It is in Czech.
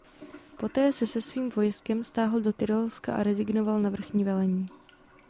Poté se se svým vojskem stáhl do Tyrolska a rezignoval na vrchní velení.